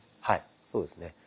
はいそうですね。